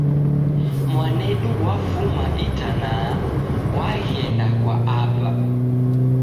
Mwanedu wafuma itanaa w'aghenda kwa aba